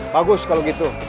bagus kalau gitu